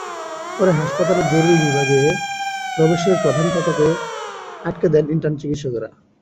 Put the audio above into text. পরে হাসপাতালের জরুরি বিভাগে প্রবেশের প্রধান ফটক আটকে দেন ইন্টার্ন চিকিৎসকেরা।